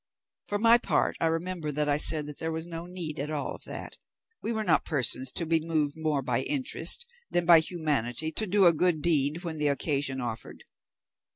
For my part I remember that I said there was no need at all of that, we were not persons to be moved more by interest than by humanity to do a good deed when the occasion offered.